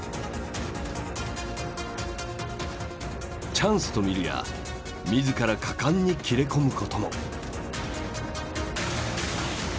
チャンスと見るや自ら果敢に切れ込むことも。